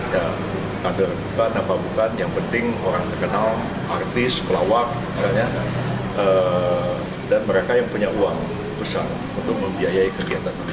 ya kader bukan apa bukan yang penting orang terkenal artis pelawak dan mereka yang punya uang besar untuk membiayai kegiatan ini